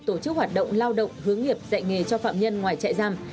tổ chức hoạt động lao động hướng nghiệp dạy nghề cho phạm nhân ngoài trại giam